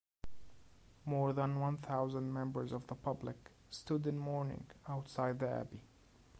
More than one thousand members of the public stood in mourning outside the Abbey.